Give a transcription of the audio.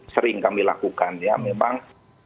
sering kami lakukan ya memang